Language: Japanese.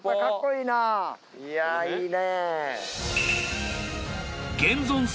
いやぁいいね。